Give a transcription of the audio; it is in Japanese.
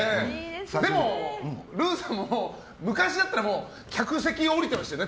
でもルーさんも昔だったら客席降りてましたよね。